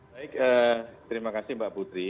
baik terima kasih mbak putri